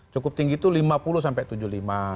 cukup tinggi itu lima puluh sampai tujuh puluh lima